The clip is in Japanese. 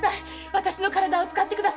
私の体を使ってください！